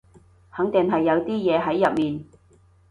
肯定係有啲嘢喺入面